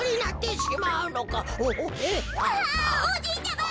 あおじいちゃま！